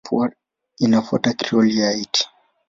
Inafuata Krioli ya Haiti.